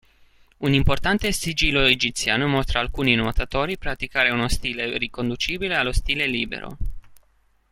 Un importante sigillo egiziano mostra alcuni nuotatori praticare uno stile riconducibile allo stile libero.